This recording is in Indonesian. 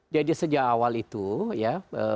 jadi sejak awal itu ya